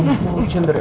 ini semua cenderung